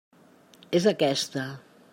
És aquesta.